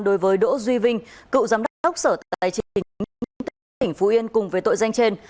đối với đỗ duy vinh cựu giám đốc sở tài chính tỉnh phú yên cùng với tội danh trên